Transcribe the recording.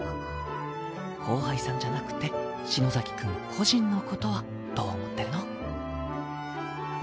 後輩さんじゃなくて篠崎くん個人の事はどう思ってるの？